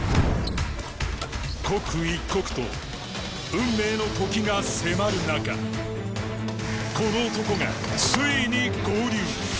刻一刻と運命の時が迫る中この男が、ついに合流。